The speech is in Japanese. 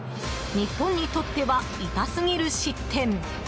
日本にとっては痛すぎる失点。